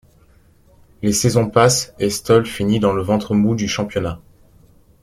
Les saisons passent et Stoll finit dans le ventre mou du championnat.